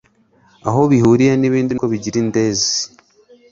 aho bihuriye n'ibindi ni uko bigira indezi